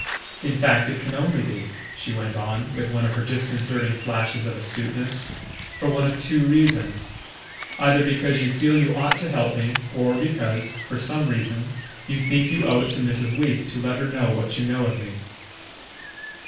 In fact, it can only be," she went on, with one of her disconcerting flashes of astuteness, "for one of two reasons; either because you feel you ought to help me, or because, for some reason, you think you owe it to Mrs. Leath to let her know what you know of me."